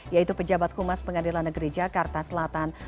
yaitu pejabat humas pengadilan negeri jakarta selatan